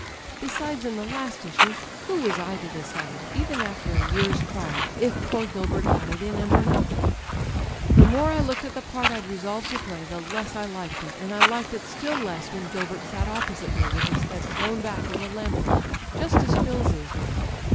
Besides, in the last issue, who was I to decide, even after a year's trial, if poor Gilbert had it in him or not ? "The more I looked at the part I'd resolved to play, the less I liked it; and I liked it still less when Gilbert sat opposite me, with his head thrown back in the lamp light, just as Phil's is now